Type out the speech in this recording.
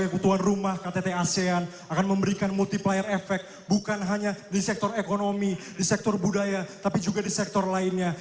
ketua rumah ktt asean akan memberikan multiplier effect bukan hanya di sektor ekonomi di sektor budaya tapi juga di sektor lainnya